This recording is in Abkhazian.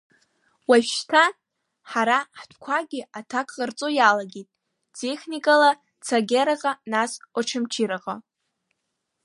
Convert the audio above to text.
Уажәшьҭа ҳара ҳтәқәагьы аҭак ҟарҵо иалагеит техникала Цагераҟа, нас Очамчыраҟа.